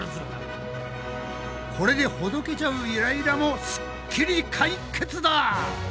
これでほどけちゃうイライラもスッキリ解決だ！